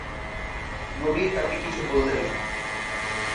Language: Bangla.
নবী তাকে কিছু বললেন না।